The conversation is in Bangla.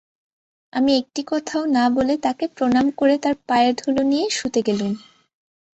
আমি একটি কথাও না বলে তাঁকে প্রণাম করে তাঁর পায়ের ধুলো নিয়ে শুতে গেলুম।